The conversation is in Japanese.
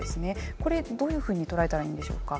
これどういうふうに捉えたらいいんでしょうか。